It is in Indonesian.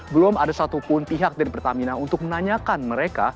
belum ada satupun pihak dari pertamina untuk menanyakan mereka